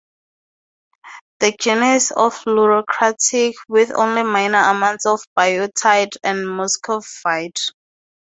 The gneiss is leucocratic, with only minor amounts of biotite and muscovite.